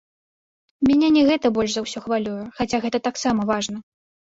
Мяне не гэта больш за ўсё хвалюе, хаця гэта таксама важна.